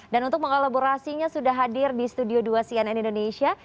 dan untuk mengolaborasinya sudah hadir di studio dua cnn indonesia